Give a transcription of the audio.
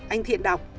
anh thiện đọc